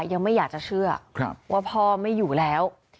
ยังไม่อยากจะเชื่อว่าพ่อไม่อยู่แล้ว